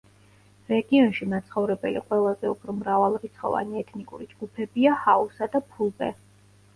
რეგიონში მაცხოვრებელი ყველაზე უფრო მრავალრიცხოვანი ეთნიკური ჯგუფებია ჰაუსა და ფულბე.